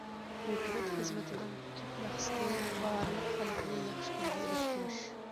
ھۆكۈمەت خىزمىتىنىڭ تۈپ مەقسىتى— بارلىق خەلقنى ياخشى كۈنگە ئېرىشتۈرۈش.